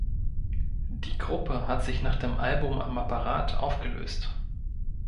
Die Gruppe hat sich nach dem Album "Am Apparat" aufgelöst.